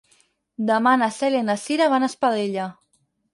Demà na Cèlia i na Cira van a Espadella.